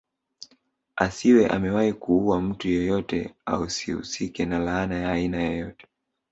Asiwe amewahi kuua mtu yoyote asihusike na laana ya aina yoyote